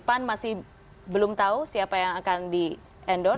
pan masih belum tahu siapa yang akan di endorse